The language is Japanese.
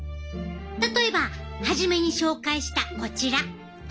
例えば初めに紹介したこちら。